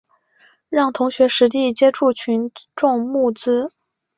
让同学实地接触群众募资